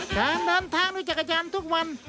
การเดินทางด้วยจักรยานทุกวัน